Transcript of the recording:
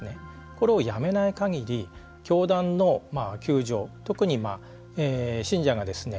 これをやめないかぎり教団の窮状、特に信者がですね